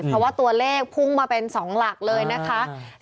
เพราะว่าตัวเลขพุ่งมาเป็น๒หลักเลยนะคะ